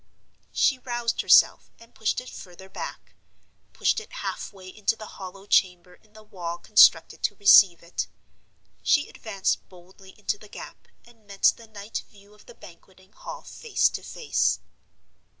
She roused herself, and pushed it further back—pushed it halfway into the hollow chamber in the wall constructed to receive it. She advanced boldly into the gap, and met the night view of the Banqueting Hall face to face.